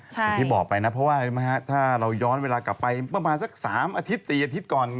อย่างที่บอกไปนะเพราะว่าอะไรไหมฮะถ้าเราย้อนเวลากลับไปประมาณสัก๓อาทิตย์๔อาทิตย์ก่อน